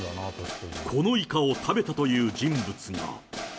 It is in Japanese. このイカを食べたという人物が。